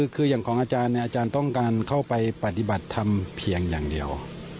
คืออย่างของอาจารย์เนี่ยอาจารย์ต้องการเข้าไปปฏิบัติธรรมเพียงอย่างเดียว